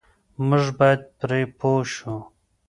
موږ بايد پرې پوه شو.